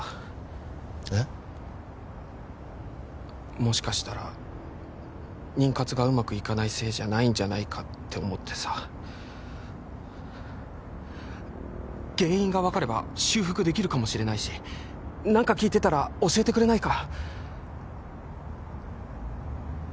もしかしたら妊活がうまくいかないせいじゃないんじゃないかって思ってさ原因が分かれば修復できるかもしれないし何か聞いてたら教えてくれないか？